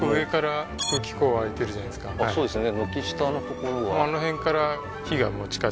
そうですね